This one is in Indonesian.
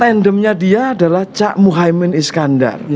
tandemnya dia adalah cak muhammad iskandar